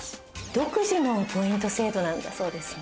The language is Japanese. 独自のポイント制度なんだそうですね。